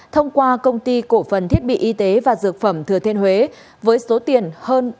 thông qua công ty cổ phần thiết bị y tế và dược phẩm thừa thiên huế với số tiền hơn ba mươi tỷ đồng